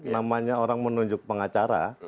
namanya orang menunjuk pengacara